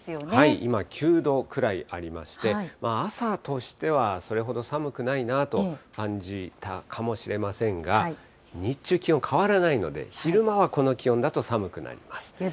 今９度くらいありまして、朝としてはそれほど寒くないなと感じたかもしれませんが、日中、気温変わらないので、昼間はこの気温だと寒くなります。